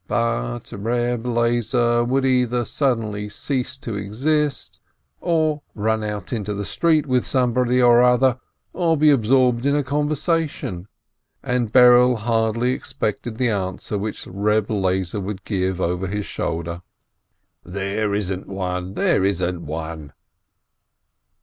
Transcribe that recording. But Reb Lezer would either suddenly cease to exist, run out into the street with somebody or other, or be absorbed in a conversation, and Berele hardly expected the answer which Reb Lezer would give over his shoulder : THE TWO BROTHERS 399 "There isn't one — there isn't one."